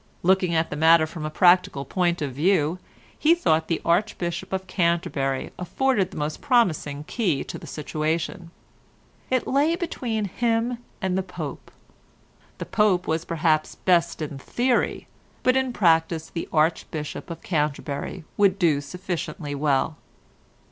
Looking at the matter from a practical point of view he thought the Archbishop of Canterbury afforded the most promising key to the situation. It lay between him and the Pope. The Pope was perhaps best in theory, but in practice the Archbishop of Canterbury would do sufficiently well.